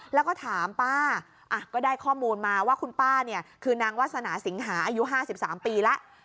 แล้วก็ถามป้าก็ได้ข้อมูลมาว่าคุณป้าเนี่ยคือนางวาสนาสิงหาอายุ๕๓ปีแล้ว